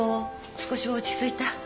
少しは落ち着いた？